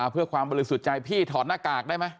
เพื่อความบริสุทธิ์ใจพี่ถอดหน้ากากได้ไหม